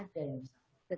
jadi kita harus berhati hati